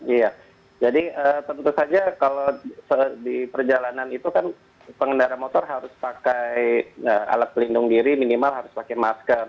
iya jadi tentu saja kalau di perjalanan itu kan pengendara motor harus pakai alat pelindung diri minimal harus pakai masker